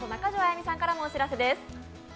やみさんからもお知らせです。